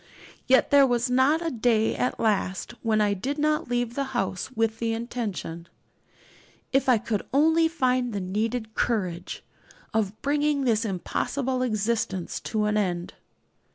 Yet there was not a day at last when I did not leave the house with the intention if I could only find the needed courage of bringing this impossible existence to an end.